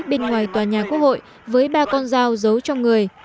bên ngoài tòa nhà quốc hội với ba con dao giấu trong người